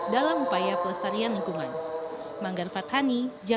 dalam upaya pelestarian lingkungan